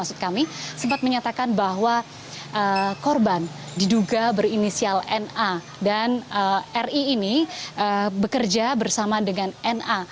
maksud kami sempat menyatakan bahwa korban diduga berinisial na dan ri ini bekerja bersama dengan na